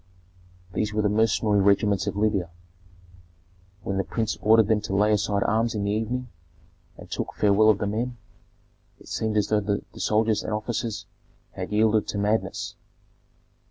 These were the mercenary regiments of Libya. When the prince ordered them to lay aside arms in the evening, and took farewell of the men, it seemed as though the soldiers and officers had yielded to madness.